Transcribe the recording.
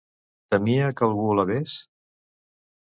Temia que algú la ves?